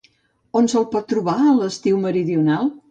On se'l pot trobar a l'estiu meridional?